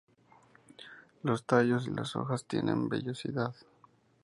Los tallos y las hojas tienen vellosidad.